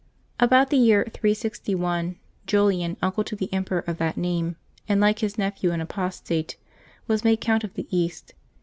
a BOUT the year 361, Julian, uncle to the emperor of that name, and like his nephew an apostate, was made Count of the East.